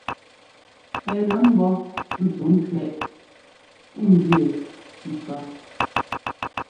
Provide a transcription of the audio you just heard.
Ɛ gɛ mbɔ́ ntsúkẅiɛʼ njʉɛ́ cícíɔ́t.